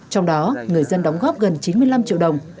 trong đó người dân đóng góp gần chín mươi năm triệu đồng